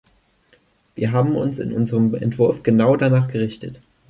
Wir haben uns in unserem Entwurf genau danach gerichtet.